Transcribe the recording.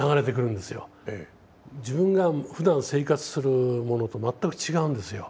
自分がふだん生活するものと全く違うんですよ。